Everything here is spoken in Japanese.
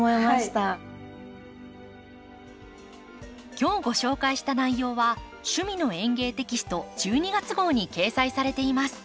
今日ご紹介した内容は「趣味の園芸」テキスト１２月号に掲載されています。